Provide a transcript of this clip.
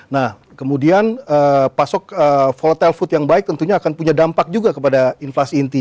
nah kemudian pasok volatile food yang baik tentunya akan punya dampak juga kepada inflasi inti